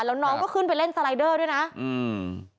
แล้วน้องก็ขึ้นไปเล่นสไลเดอร์ด้วยนะอืม